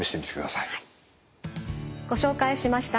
ご紹介しました